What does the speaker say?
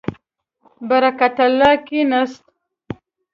برکت الله کښېنست.